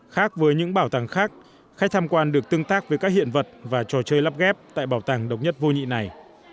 khác với những bảo tàng khác khách tham quan được tương tác với các hiện vật và trò chơi lắp ghép tại bảo tàng độc nhất vô nhị này